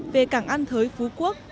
về cảng an thới phú quốc